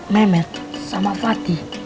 memet sama fatih